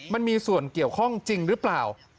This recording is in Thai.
มันมีส่วนเกี่ยวข้องจริงหรือเปล่า